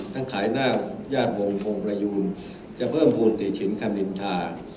ทั้งขายหน้ายาดวงภงประยูนจะเพิ่มภูติฉินคำลิมทา